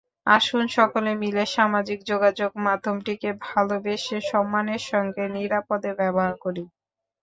আসুন সকলে মিলে সামাজিক যোগাযোগ মাধ্যমটিকে ভালোবেসে, সম্মানের সঙ্গে, নিরাপদে ব্যবহার করি।